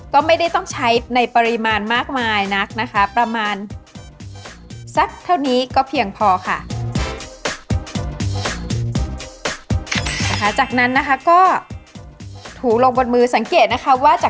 ก็ไม่ได้ต้องใช้ในปริมาณมากมายนักนะคะ